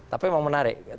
tapi memang menarik